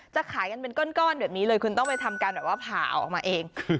จะขายกันเป็นก้อนอย่างนี้เลยคุณต้องไปทำการผ่าออกมาเอง